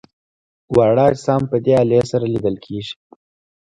واړه اجسام په دې الې سره لیدل کیږي.